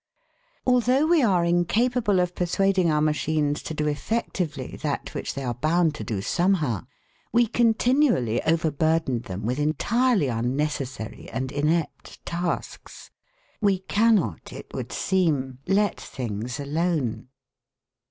Although we are incapable of persuading our machines to do effectively that which they are bound to do somehow, we continually overburden them with entirely unnecessary and inept tasks. We cannot, it would seem, let things alone.